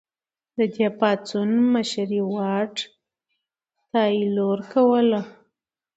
د دې پاڅون مشري واټ تایلور کوله.